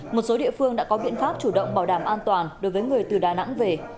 một số địa phương đã có biện pháp chủ động bảo đảm an toàn đối với người từ đà nẵng về